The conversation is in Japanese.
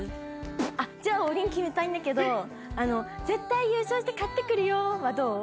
あっ、じゃあ、王林決めたいんだけど、絶対優勝して帰ってくるよはどう？